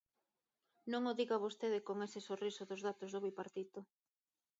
Non o diga vostede con ese sorriso dos datos do Bipartito.